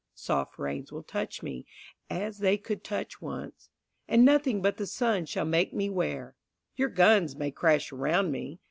Soft rains will touch me, as they could touch once, And nothing but the sun shall make me ware. Your guns may crash around me.